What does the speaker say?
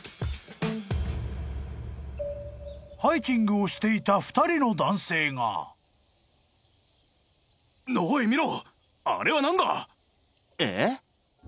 ［ハイキングをしていた２人の男性が］おい見ろ！